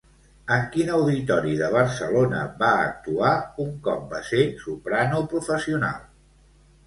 En quin auditori de Barcelona va actuar un cop va ser soprano professional?